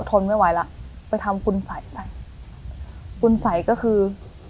ทนไม่ไหวแล้วไปทำคุณสัยไปคุณสัยก็คือ